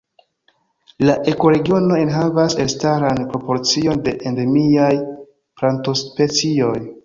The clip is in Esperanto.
La ekoregiono enhavas elstaran proporcion de endemiaj plantospecioj.